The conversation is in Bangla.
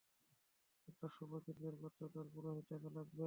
একটা শুভ দিন বের করতেও তোর পুরোহিত ডাকা লাগবে!